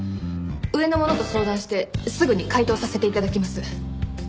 上の者と相談してすぐに回答させて頂きます。